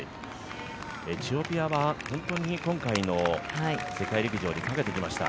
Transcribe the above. エチオピアは本当に今回の世界陸上にかけてきました。